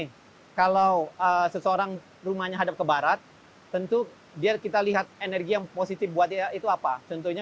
jika satu rumah itu tempat kebarat tentu kita bisa lihat energi yang positif bagaimana